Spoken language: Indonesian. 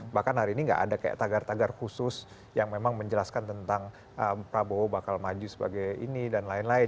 bahkan hari ini nggak ada kayak tagar tagar khusus yang memang menjelaskan tentang prabowo bakal maju sebagai ini dan lain lain